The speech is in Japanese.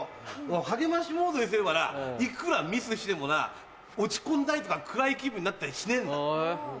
励ましモードにすればないくらミスしてもな落ち込んだりとか暗い気分になったりしねえんだ。